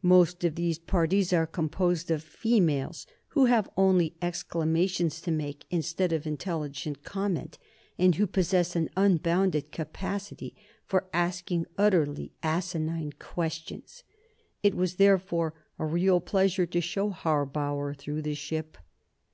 Most of these parties are composed of females, who have only exclamations to make instead of intelligent comment, and who possess an unbounded capacity for asking utterly asinine questions. It was, therefore, a real pleasure to show Harbauer through the ship.